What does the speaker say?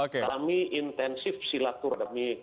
kami intensif silaturahmi